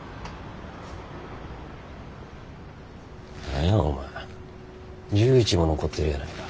何やお前１１も残ってるやないか。